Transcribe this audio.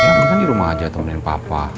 ya bukan di rumah aja temenin papa